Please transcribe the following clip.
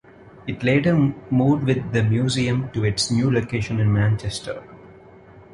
It later moved with the museum to its new location in Manchester.